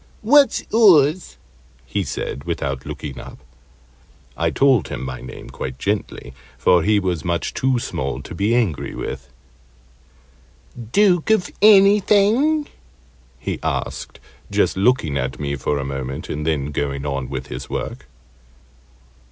"What's oors?" he said, without looking up. I told him my name quite gently, for he was much too small to be angry with. "Duke of Anything?" he asked, just looking at me for a moment, and then going on with his work.